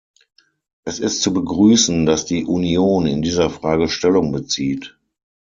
Es ist zu begrüßen, dass die Union in dieser Frage Stellung bezieht.